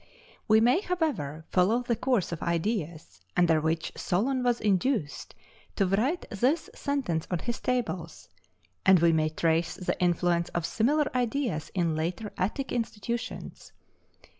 We may, however, follow the course of ideas under which Solon was induced to write this sentence on his tables, and we may trace the influence of similar ideas in later Attic institutions.